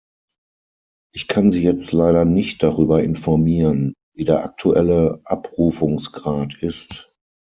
Ich kann Sie jetzt leider nicht darüber informieren, wie der aktuelle Abrufungsgrad ist.